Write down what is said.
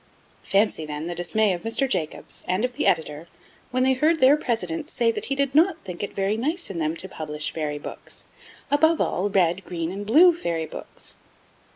Fancy, then, the dismay of Mr. Jacobs, and of the Editor, when they heard their president say that he did not think it very nice in them to publish fairy books, above all, red, green, and blue fairy books!